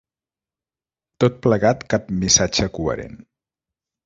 Tot plegat cap missatge coherent.